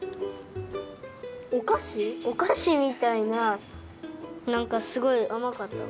おかしみたいななんかすごいあまかった。